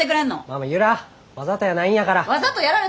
わざとやないんやから。